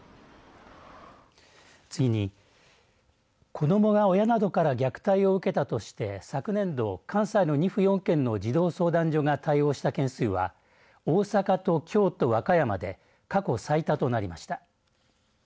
次に子どもが親などから虐待を受けたとして昨年度、関西の２府４県の児童相談所が対応した件数は大阪と京都、和歌山で過去最多となりました。